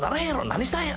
何したんや⁉」。